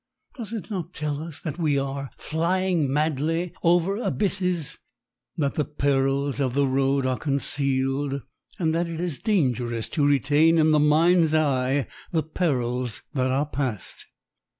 Does it not tell us that we are flying madly over abysses, that the perils of the road are concealed and that it is dangerous to retain in the mind's eye the perils that are past?